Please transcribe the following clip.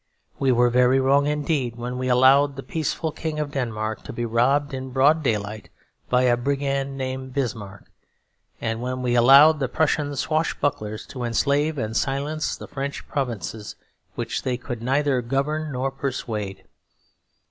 We were very wrong indeed when we allowed the peaceful King of Denmark to be robbed in broad daylight by a brigand named Bismarck; and when we allowed the Prussian swashbucklers to enslave and silence the French provinces which they could neither govern nor persuade.